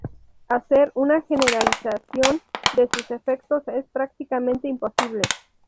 Hacer una generalización de sus efectos es prácticamente imposible.